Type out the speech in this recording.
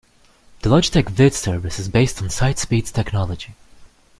The Logitech Vid service is based on SightSpeed's technology.